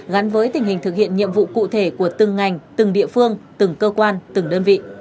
gắn với tình hình thực hiện nhiệm vụ cụ thể của từng ngành từng địa phương từng cơ quan từng đơn vị